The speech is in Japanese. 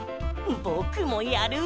ぼくもやる！